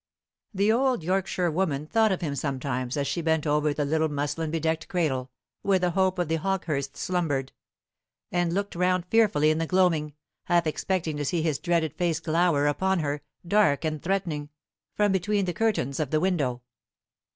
The old Yorkshirewoman thought of him sometimes as she bent over the little muslin bedecked cradle where the hope of the Hawkehursts slumbered, and looked round fearfully in the gloaming, half expecting to see his dreaded face glower upon her, dark and threatening, from between the curtains of the window.